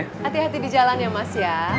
hati hati di jalan ya mas ya